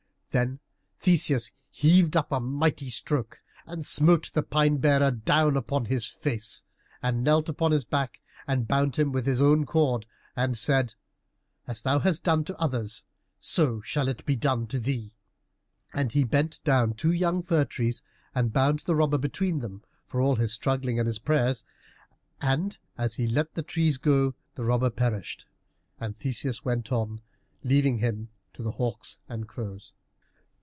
Then Theseus heaved up a mighty stroke and smote the Pine bearer down upon his face, and knelt upon his back, and bound him with his own cord, and said, "As thou hast done to others, so shall it be done to thee." And he bent down two young fir trees and bound the robber between them for all his struggling and his prayers, and as he let the trees go the robber perished, and Theseus went on, leaving him to the hawks and crows.